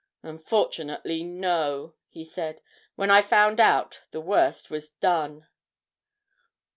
'Unfortunately, no,' he said. 'When I found out, the worst was done.'